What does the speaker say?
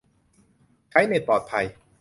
ใช้เน็ตปลอดภัย